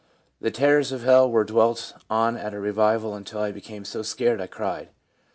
The terrors of hell were dwelt on at revival until I became so scared I cried/ F.